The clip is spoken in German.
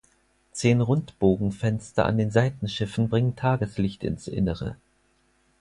Zehn Rundbogenfenster an den Seitenschiffen bringen Tageslicht ins Innere.